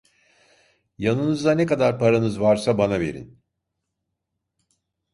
Yanınızda ne kadar paranız varsa bana verin!